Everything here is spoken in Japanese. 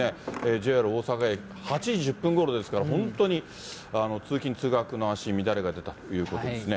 ＪＲ大阪駅、８時１０分ごろですから、本当に、通勤・通学の足に乱れが出たということですね。